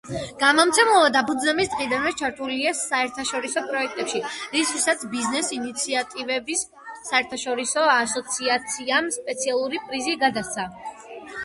გამომცემლობა დაფუძნების დღიდანვე ჩართულია საერთაშორისო პროექტებში, რისთვისაც ბიზნეს ინიციატივების საერთაშორისო ასოციაციამ სპეციალური პრიზი გადასცა.